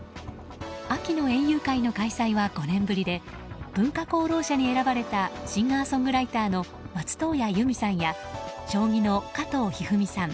秋の園遊会の開催は５年ぶりで文化功労者に選ばれたシンガーソングライターの松任谷由実さんや将棋の加藤一二三さん